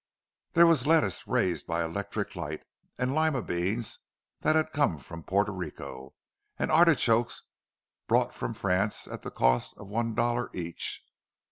There was lettuce raised by electric light, and lima beans that had come from Porto Rico, and artichokes brought from France at a cost of one dollar each.